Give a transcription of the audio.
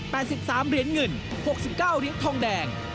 ๘๓เหรียญเงิน๖๙เหรียญทองแดง